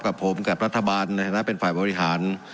กับผมกับรัฐบาลในฐานะเป็นฝ่ายบริหาร